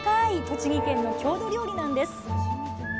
栃木県の郷土料理なんです。